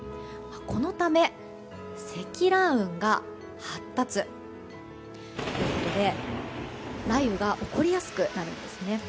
このため、積乱雲が発達。ということで、雷雨が起こりやすくなるんですね。